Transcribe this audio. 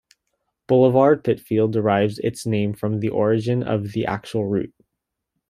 Boulevard Pitfield derives its name from the origin of the actual route.